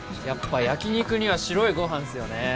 やっぱ焼き肉には白いご飯ですよね。